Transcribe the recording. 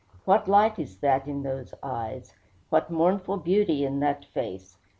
What light is that in those eyes! What mournful beauty in that face!